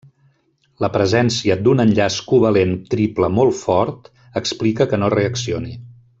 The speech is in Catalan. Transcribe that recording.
La presència d'un enllaç covalent triple molt fort explica que no reaccioni.